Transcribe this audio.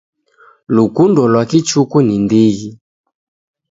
Lukundo lwa kichuku ni ndighi.